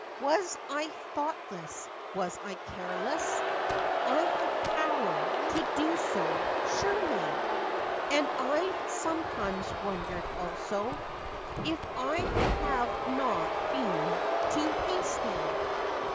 Was I thoughtless? was I careless? I had power to do so, surely; And I 've sometimes wondered, also, If I have not been too hasty FACTS AND FANCIES.